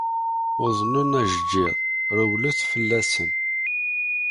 Uḍnen ajeǧǧiḍ, rewlet fella-sen.